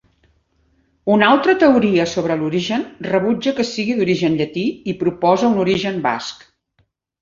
Una altra teoria sobre l'origen rebutja que sigui d'origen llatí i proposa un origen basc.